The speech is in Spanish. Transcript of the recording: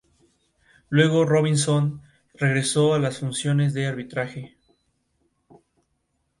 Igualmente importante es el valor paisajístico y natural de los jardines del hotel.